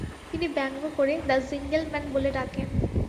তিনি ব্যঙ্গ করে দ্যা জিঙ্গেল ম্যান বলে ডাকেন।